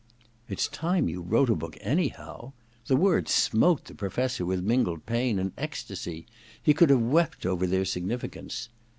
* Ifs titne you wrote a booky anyhow I The words smote the Professor with mingled pain and ecstasy : he could have wept over their significance.